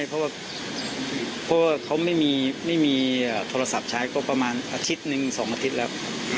เพราะว่าเขาไม่มีโทรศัพท์ใช้ก็ประมาณอาทิตย์หนึ่ง๒อาทิตย์แล้ว